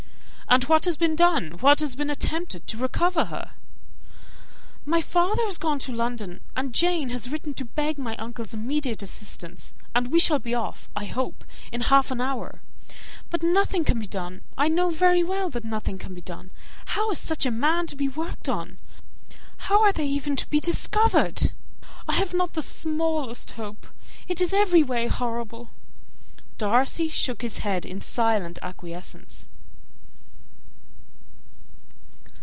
"And what has been done, what has been attempted, to recover her?" "My father has gone to London, and Jane has written to beg my uncle's immediate assistance, and we shall be off, I hope, in half an hour. But nothing can be done; I know very well that nothing can be done. How is such a man to be worked on? How are they even to be discovered? I have not the smallest hope. It is every way horrible!" Darcy shook his head in silent acquiescence.